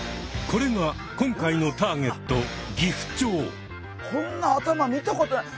これが今回のターゲットこんな頭見たことない！